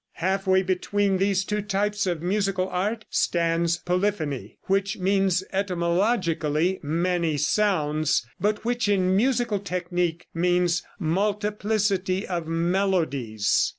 Half way between these two types of musical art stands polyphony, which means etymologically "many sounds," but which in musical technique means "multiplicity of melodies."